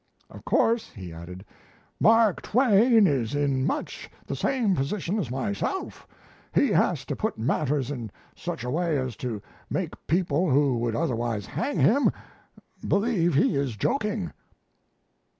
"Of course," he added, "Mark Twain is in much the same position as myself: he has to put matters in such a way as to make people who would otherwise hang him, believe he is joking."